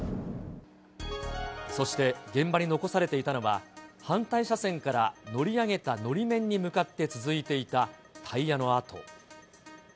そして、現場に残されていたのは、反対車線から乗り上げたのり面に向かって続いていたタイヤの跡。